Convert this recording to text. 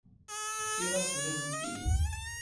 Tefkiḍ-as-tent-id.